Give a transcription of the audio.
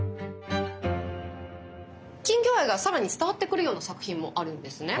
金魚愛が更に伝わってくるような作品もあるんですね。